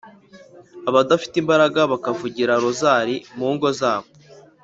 abadafite imbaraga bakavugira rozari mu ngo zabo